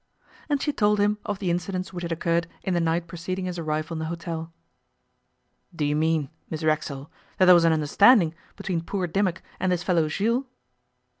And she told him of the incidents which had occurred in the night preceding his arrival in the hotel. 'Do you mean, Miss Racksole, that there was an understanding between poor Dimmock and this fellow Jules?